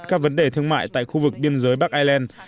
các vấn đề thương mại tại khu vực biên giới bắc ireland